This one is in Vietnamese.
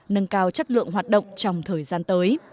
nâng cao chất lượng hoạt động trong thời gian tới